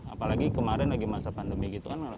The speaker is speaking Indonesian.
apalagi kemarin lagi masa pandemi gitu kan